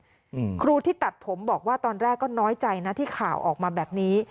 อืมครูที่ตัดผมบอกว่าตอนแรกก็น้อยใจนะที่ข่าวออกมาแบบนี้